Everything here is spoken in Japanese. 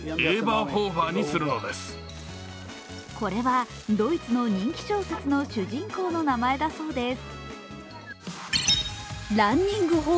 これはドイツの人気小説の主人公の名前だそうです。